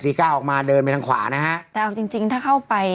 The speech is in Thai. กล้าออกมาเดินไปทางขวานะฮะแต่เอาจริงจริงถ้าเข้าไป